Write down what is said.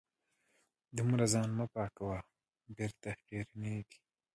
دومره ځان مه پاکوه .بېرته خیرنېږې